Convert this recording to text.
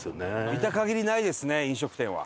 見た限りないですね飲食店は。